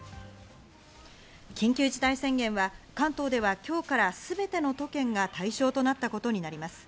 緊急事態宣言は関東では今日からすべての都県が対象となったことになります。